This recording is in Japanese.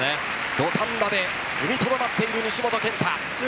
土壇場で踏みとどまっている西本拳太。